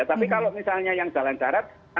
tapi kalau misalnya yang jalan darat